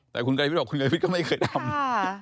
แต่คุณไกรวิทย์บอกคุณกระวิทย์ก็ไม่เคยทำ